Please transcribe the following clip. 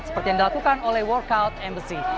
seperti yang dilakukan oleh workout embassy